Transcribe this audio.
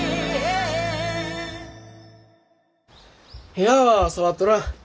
部屋は触っとらん。